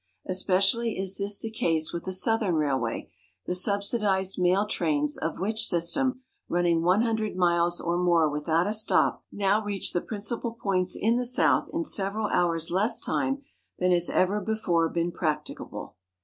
Especially is this the case with the Southern railway, the subsidized mail trains of which 8\'stem, running 100 miles or more without a stop, now reach the prin cipal ijoints in the South in several hours' less time than has ever before been ]>racticable.